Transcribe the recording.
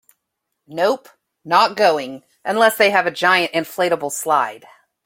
Nope, not going unless they have a giant inflatable slide.